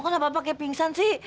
kamu kan bapaknya pingsan sih